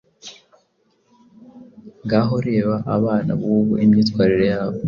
Ngaho reba abana bubu Imyitwarire yabo